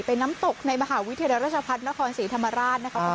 เป็นน้ำตกในมหาวิทยาลัยราชพัฒนครศรีธรรมราชนะครับ